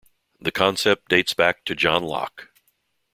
The concept dates back to John Locke.